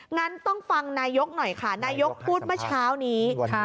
งั้นต้องฟังนายกหน่อยค่ะนายกพูดเมื่อเช้านี้